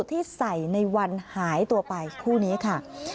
ที่ใส่ในวันหายตัวไปคู่นี้ค่ะ